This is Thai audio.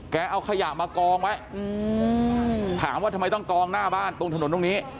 เอาขยะมากองไว้ถามว่าทำไมต้องกองหน้าบ้านตรงถนนตรงนี้